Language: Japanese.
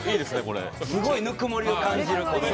すごいぬくもりを感じる。